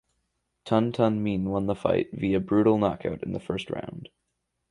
Tun Tun Min won the fight via brutal knockout in the first round.